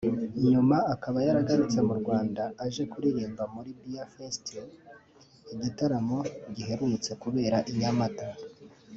nyuma akaba yaragarutse mu Rwanda aje kuririmba muri Beer Fest igitaramo giherutse kubera i Nyamata